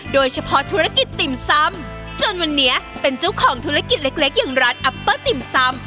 โดยเฉพาะธุรกิจติ่มซ้ำจนวันนี้เป็นเจ้าของธุรกิจเล็กอย่างร้านอัปเปอร์ติ่มซ้ำ